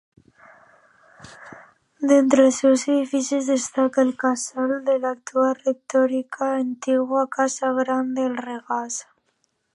D’entre els seus edificis destaca el casal de l’actual rectoria, antiga casa Gran del Regàs.